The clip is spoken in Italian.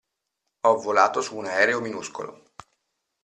Ho volato su un aereo minuscolo.